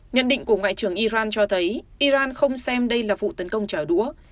nhận định của ngoại trưởng iran cho thấy iran không xem đây là vụ tấn công trả đũa